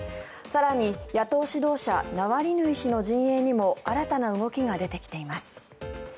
更に、野党指導者ナワリヌイ氏の陣営にも新たな動きが出てきています。